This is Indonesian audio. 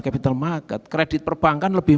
capital market kredit perbankan lebih